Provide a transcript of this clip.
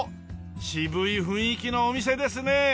渋い雰囲気のお店ですね。